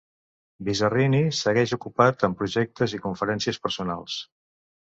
Bizzarrini segueix ocupat amb projectes i conferències personals.